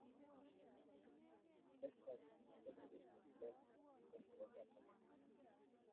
Texas ko nekit konyil aeng eng nebo Japan